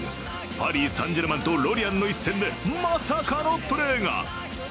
パリサンジェルマンとロリアンの一戦でまさかのプレーが。